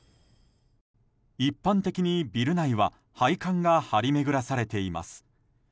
一般的にビル内は配管が張り巡らされています。